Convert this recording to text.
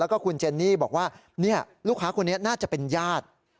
แล้วก็คุณเจนนี่บอกว่าลูกค้าคนนี้น่าจะเป็นญาติ